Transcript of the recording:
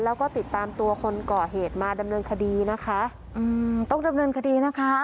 แล้วก็ติดตามตัวคนก่อเหตุมาดำเนินคดีนะคะอืมต้องดำเนินคดีนะคะ